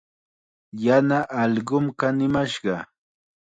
Yana allqum kanimashqa.